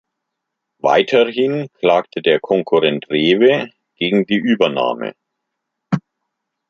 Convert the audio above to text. Weiterhin klagte der Konkurrent Rewe gegen die Übernahme.